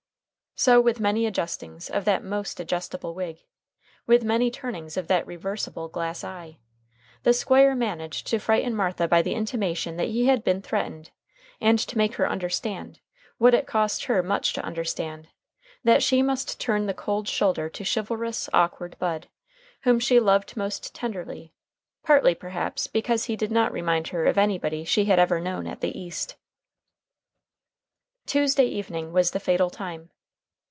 So, with many adjustings of that most adjustable wig? with many turnings of that reversible glass eye? the Squire managed to frighten Martha by the intimation that he had been threatened, and to make her understand, what it cost her much to understand, that she must turn the cold shoulder to chivalrous, awkward Bud, whom she loved most tenderly, partly, perhaps, because he did not remind her of anybody she had ever known at the East. Tuesday evening was the fatal time.